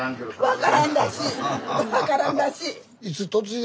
分からんらしい。